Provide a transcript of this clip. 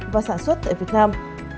và sản xuất tại việt nam